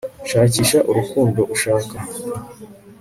shakisha urukundo ushaka